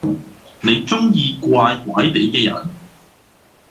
你中意怪怪哋嘅人？